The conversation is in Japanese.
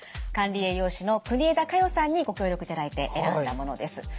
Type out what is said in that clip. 管理栄養士の國枝加誉さんにご協力いただいて選んだものです。